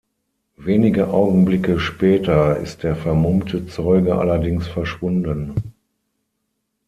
Wenige Augenblicke später ist der vermummte Zeuge allerdings verschwunden.